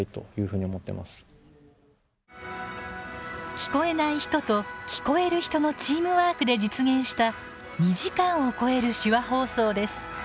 聞こえない人と聞こえる人のチームワークで実現した２時間を超える手話放送です。